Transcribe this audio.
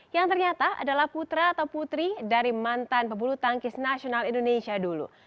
yang ternyata adalah putra atau putri dari mantan pebulu tangkis nasional indonesia dulu